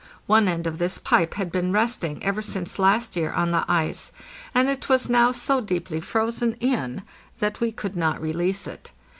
One end of this pipe had been resting ever since last year on the ice, and it was now so deeply frozen in that we could not release it.